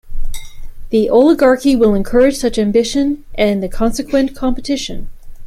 The Oligarchy will encourage such ambition and the consequent competition.